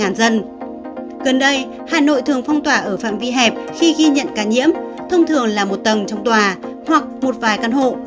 gần đây hà nội thường phong tỏa ở phạm vi hẹp khi ghi nhận ca nhiễm thông thường là một tầng trong tòa hoặc một vài căn hộ